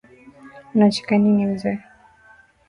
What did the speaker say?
Unacheka nini mzee?